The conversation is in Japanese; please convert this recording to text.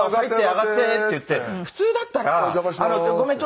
上がって」って言って普通だったらごめん。